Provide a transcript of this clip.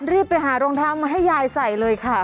รีบไปหารองเท้ามาให้ยายใส่เลยค่ะ